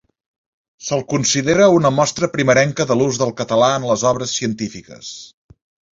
Se'l considera una mostra primerenca de l'ús del català en les obres científiques.